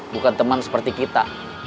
bukan temen seperti kita